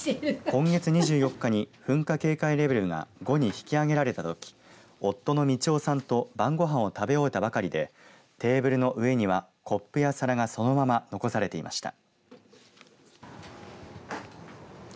今月２４日に噴火警戒レベルが５に引き上げられたとき夫の美智雄さんと晩ごはんを食べ終えたばかりでテーブルの上には、コップや皿がそのまま残されていました。